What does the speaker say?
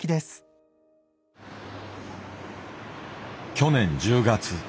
去年１０月。